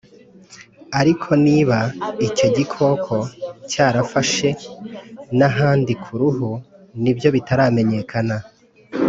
Ariko niba icyo gikoko cyarafashe n’ ahandi ku ruhu nibyo bitaramenyekana